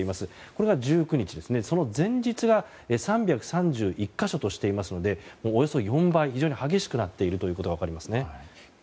これが１９日、その前日が３３１か所としていますのでおよそ４倍非常に激しくなっていることが分かりますね。